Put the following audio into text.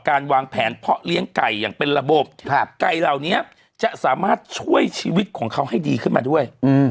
การวางแผนเพาะเลี้ยงไก่อย่างเป็นระบบไก่เหล่านี้จะสามารถช่วยชีวิตของเขาให้ดีขึ้นมาด้วย